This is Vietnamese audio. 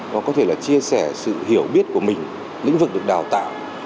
và có thể là chia sẻ sự hiểu biết của mình lĩnh vực được đào tạo